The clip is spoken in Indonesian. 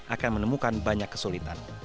akan menemukan banyak kesulitan